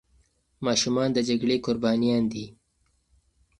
ماشومان د جګړې قربانيان دي.